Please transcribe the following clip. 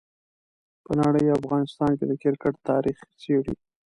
په نړۍ او افغانستان کې د کرکټ تاریخ څېړي.